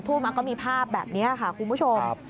มันก็มีภาพแบบนี้ค่ะคุณผู้ชม